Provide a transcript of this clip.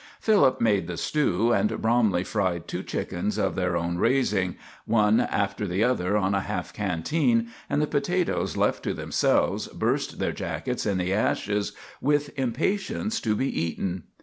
Philip made the stew, and Bromley fried two chickens of their own raising, one after the other, on a half canteen, and the potatoes, left to themselves, burst their jackets in the ashes with impatience to be eaten.